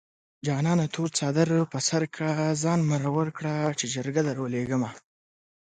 جانانه تور څادر په سر کړه ځان مرور کړه چې جرګه دروليږمه